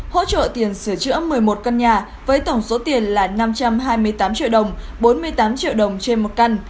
hỗ trợ tiền sửa chữa một mươi một căn nhà với tổng số tiền là năm trăm hai mươi tám triệu đồng bốn mươi tám triệu đồng trên một căn